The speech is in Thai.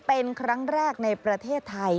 เป็นครั้งแรกในประเทศไทย